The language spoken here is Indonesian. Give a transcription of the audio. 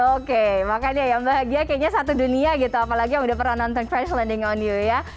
oke makanya ya bahagia kayaknya satu dunia gitu apalagi yang udah pernah nonton cris lending on you ya